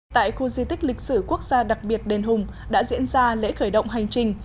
tại khu di tích lịch sử quốc gia đặc biệt đền hùng đã diễn ra lễ khởi động hành trình